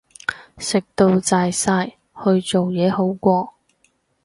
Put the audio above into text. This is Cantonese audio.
食到滯晒，去做嘢好過